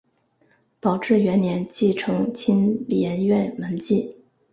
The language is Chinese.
宝治元年继承青莲院门迹。